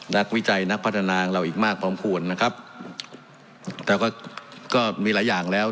นักวิจัยนักพัฒนาของเราอีกมากพร้อมควรนะครับแต่ก็ก็มีหลายอย่างแล้ว